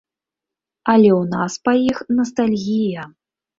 Але ў нас па іх настальгія.